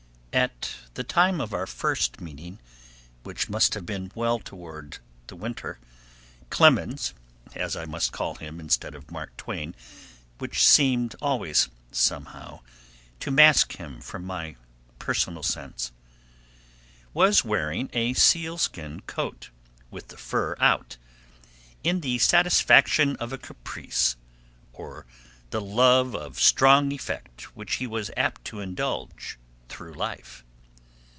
At the time of our first meeting, which must have been well toward the winter, Clemens (as I must call him instead of Mark Twain, which seemed always somehow to mask him from my personal sense) was wearing a sealskin coat, with the fur out, in the satisfaction of a caprice, or the love of strong effect which he was apt to indulge through life.